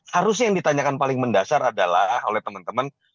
harusnya yang ditanyakan paling mendasar adalah oleh teman teman